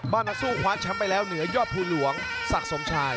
บ้านนักสู้คว้านแชมป์ไปแล้วเหนือยอบภูลหลวงสักสมชาย